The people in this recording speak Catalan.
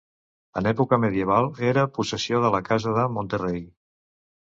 En època medieval era possessió de la Casa de Monterrei.